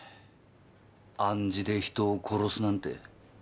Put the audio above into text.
暗示で人を殺すなんて。